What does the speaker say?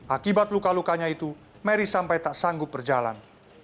akibat luka lukanya itu mary sampai tak sanggup berjalan